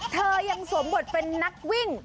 เธอยังสวมบทเป็นนักวิ่ง